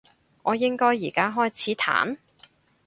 我應該而家開始彈？